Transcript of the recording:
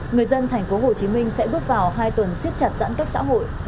người dân thành phố hồ chí minh sẽ bước vào hai tuần siết chặt giãn cách xã hội